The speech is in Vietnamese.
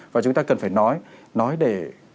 và chúng ta cần phải nói để